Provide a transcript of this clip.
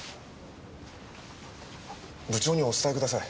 部長にお伝えください。